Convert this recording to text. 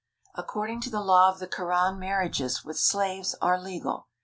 According to the law of the Koran marriages with slaves are legal.